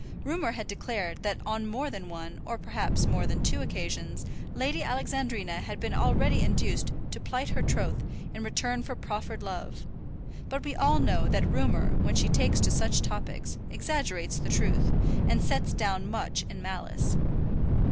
Rumour had declared that on more than one, or perhaps more than two occasions, Lady Alexandrina had been already induced to plight her troth in return for proffered love; but we all know that Rumour, when she takes to such topics, exaggerates the truth, and sets down much in malice.